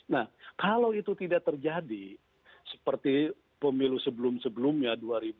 nah kalau itu tidak terjadi seperti pemilu sebelum sebelumnya